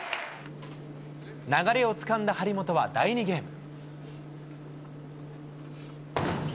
流れをつかんだ張本は第２ゲーム。